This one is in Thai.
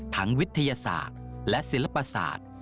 วิทยาศาสตร์และศิลปศาสตร์